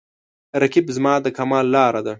رقیب زما د کمال لاره ده